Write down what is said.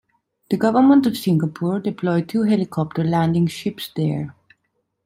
The government of Singapore deployed two helicopter landing ships there.